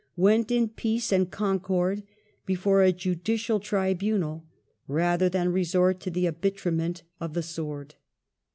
. went in peace and concord before a judicial tribunal rather than resort to the arbitrament of the sword